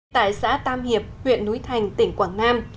tại xã tam hiệp huyện núi thành tỉnh quảng nam